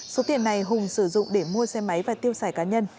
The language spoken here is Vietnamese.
số tiền này hùng sử dụng để mua xe máy và tiêu xài cá nhân